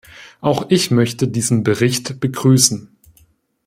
Auch ich möchte diesen Bericht begrüßen.